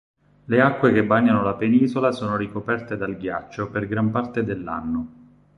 Le acque che bagnano la penisola sono ricoperte dal ghiaccio per gran parte dell'anno.